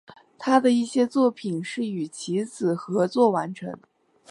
他的一些作品是与其子合作完成。